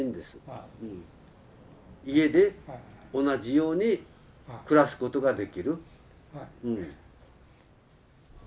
家で同じように暮らすことができる。